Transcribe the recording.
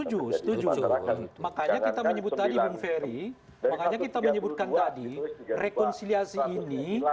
setuju setuju makanya kita menyebut tadi bung ferry makanya kita menyebutkan tadi rekonsiliasi ini